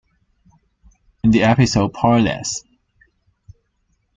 In the episode Powerless!